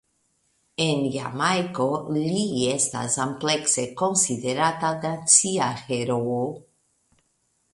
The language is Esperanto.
En Jamajko li estas amplekse konsiderata nacia heroo.